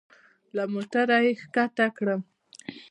له موټره يې کښته کړم.